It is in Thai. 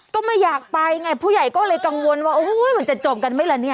ก็ไม่อยากไปไงผู้ใหญ่ก็เลยกังวลว่าโอ้โหมันจะจบกันไหมล่ะเนี่ย